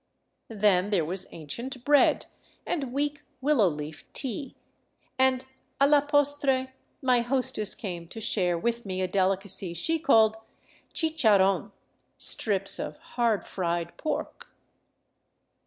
Then there was ancient bread and weak willow leaf tea, and a la postre my hostess came to share with me a delicacy she called " chicharron," — strips of hard fried pork.